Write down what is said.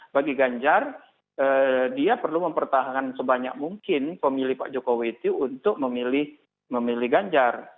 bagi ganjar dia perlu mempertahankan sebanyak mungkin pemilih pak jokowi itu untuk memilih ganjar